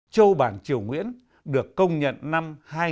châu bản triều nguyễn được công nhận năm hai nghìn một mươi